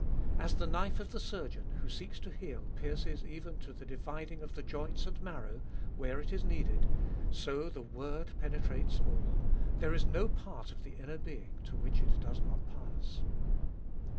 As the knife of the surgeon, who seeks to heal, pierces even to the dividing of the joints and marrow, where it is needed, so the word penetrates all ; there is no part of the inner being to which it does not pass.